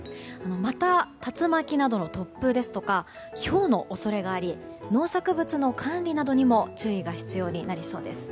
また、竜巻などの突風ですとかひょうの恐れがあり農作物の管理などにも注意が必要になりそうです。